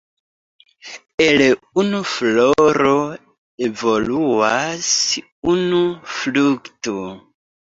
El unu floro evoluas unu frukto.